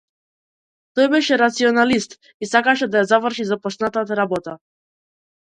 Тој беше рационалист и сакаше да ја заврши започнатата работа.